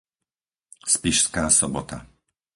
Spišská Sobota